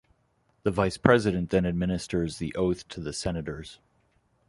The Vice President then administers the oath to the Senators.